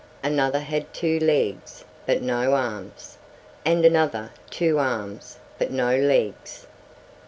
Another had two legs but no arms, and another two arms but no legs.